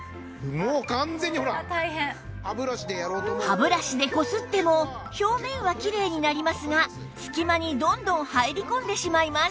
歯ブラシでこすっても表面はきれいになりますが隙間にどんどん入り込んでしまいます